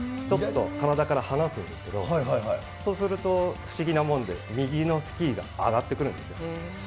ちょっと体から離すんですけど、そうすると、不思議なもんで右のスキーが上がってくるんですよ。